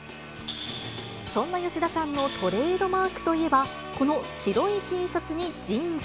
そんな吉田さんのトレードマークといえば、この白いＴシャツにジーンズ。